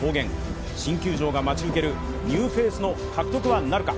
新球場が待ち受けるニューフェイスの獲得はなるか。